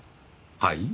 はい？